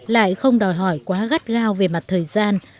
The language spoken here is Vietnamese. lại không đòi hỏi quá gắt gao về mặt thời gian